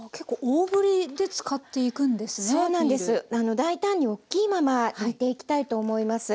大胆におっきいままむいていきたいと思います。